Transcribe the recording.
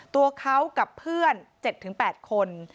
ตัวเขากับเพื่อน๗๘คน